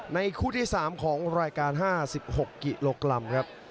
คู่ที่๓ของรายการ๕๖กิโลกรัมครับ